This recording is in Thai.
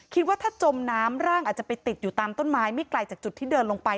คิดว่าถ้าจมน้ำร่างอาจจะไปติดอยู่ตามต้นไม้ไม่ไกลจากจุดที่เดินลงไป